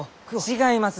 違います